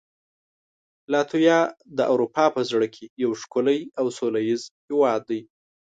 لاتویا د اروپا په زړه کې یو ښکلی او سولهییز هېواد دی.